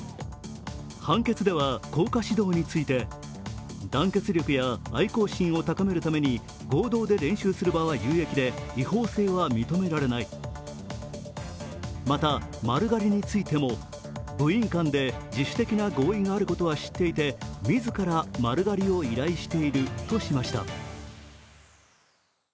判決では、校歌指導について、団結新や愛校心を高めるために合同で練習する場は有益で違法性は認められないまた、丸刈りについても部員間で自主的な合意があることは知っていて自ら丸刈りを依頼しているとしました。